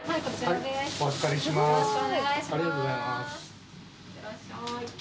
ありがとうございます